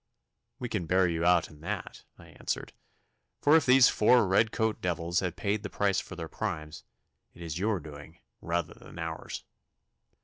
'We can bear you out in that,' I answered, 'for if these four red coat devils have paid the price of their crimes, it is your doing rather than ours.